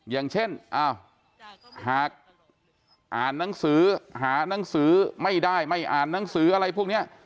อย่างเช่นอ้าวหากอ่านหนังสือหานังสือไม่ได้ไม่อ่านหนังสืออะไรพวกนี้